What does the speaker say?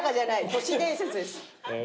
都市伝説です。